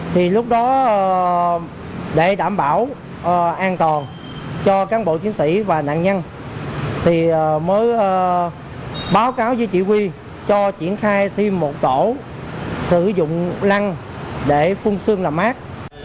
thì lúc đó để đảm bảo an toàn cho cán bộ chiến sĩ và nạn nhân thì mới báo cáo với chỉ huy cho triển khai thêm một tổ sử dụng lăng để phun xương làm mát